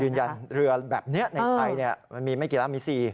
คือยืนยันเรือแบบเนี่ยในไทยเนี่ยมีไม่กี่ลำมีสี่